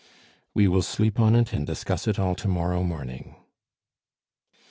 "We will sleep on it and discuss it all to morrow morning."